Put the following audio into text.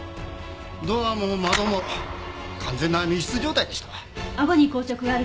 ドアも窓も完全な密室状態でしたわ。